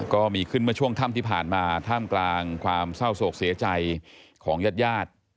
ก็มีขึ้นเมื่อช่วงค่ำที่ผ่านมาท่ามกลางความเศร้าโศกเสียใจของญาติญาติ